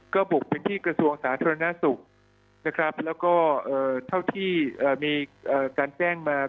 ก็บุกไปที่กระทรวงสาธารณสุขนะครับแล้วก็เท่าที่มีการแจ้งมา